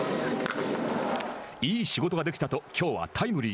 いい仕事ができたときょうはタイムリー。